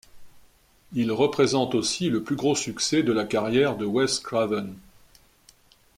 Il représente aussi le plus gros succès de la carrière de Wes Craven.